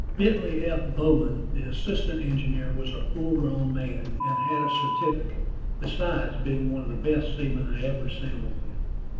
Bentley F. Bowman, the assistant engineer, was a full grown man, and had a certificate, besides being one of the best seamen I ever sailed with.